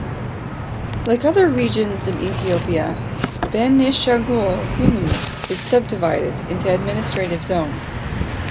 Like other Regions in Ethiopia, Benishangul-Gumuz is subdivided into administrative zones.